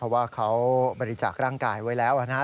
เพราะว่าเขาบริจาคร่างกายไว้แล้วนะครับ